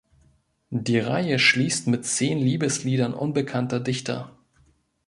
Die Reihe schließt mit zehn Liebesliedern unbekannter Dichter.